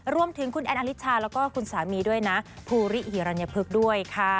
ร่วมถึงคุณแอนท์อลิชาและก็คุณสามีภูริหรัญยพิกด้วยค่ะ